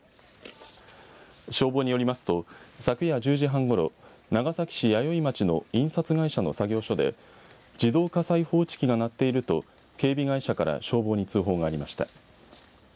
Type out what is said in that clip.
消防によりますと昨夜１０時半ごろ長崎市弥生町の印刷会社の作業所で自動火災報知器が鳴っていると警備会社から消防に通報がありました。